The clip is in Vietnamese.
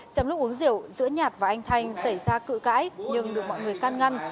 trong lúc uống rượu giữa nhạt và anh thanh xảy ra cự cãi nhưng được mọi người can ngăn